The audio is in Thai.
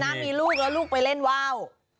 เมื่อกี้มีลูกแล้วลูกไปเล่นวาว